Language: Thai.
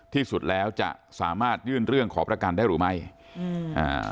ที่สุดแล้วจะสามารถยื่นเรื่องขอประกันได้หรือไม่อืมอ่า